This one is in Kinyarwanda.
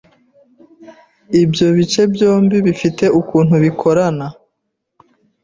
Ibyo bice byombi bifite ukuntu bikorana